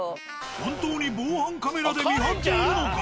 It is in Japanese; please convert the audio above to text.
本当に防犯カメラで見張っているのか。